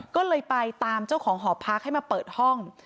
ก็เลยไปตามเจ้าของหอพักให้มาเปิดห้อง